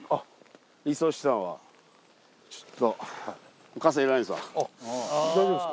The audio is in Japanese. ちょっと大丈夫ですか？